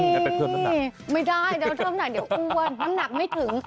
นี่ไม่ได้เดี๋ยวเริ่มหน่อยเดี๋ยวอ้วนน้ำหนักไม่ถึง